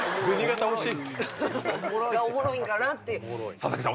佐々木さん